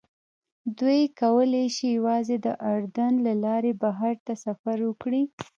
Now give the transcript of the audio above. دوی کولی شي یوازې د اردن له لارې بهر ته سفر وکړي.